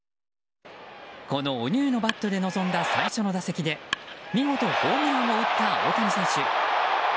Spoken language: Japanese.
このおニューのバットで臨んだ最初の打席で見事ホームランを打った大谷選手。